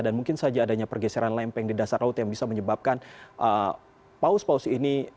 dan mungkin saja adanya pergeseran lempeng di dasar laut yang bisa menyebabkan paus paus ini